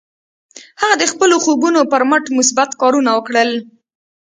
هغه د خپلو خوبونو پر مټ مثبت کارونه وکړل.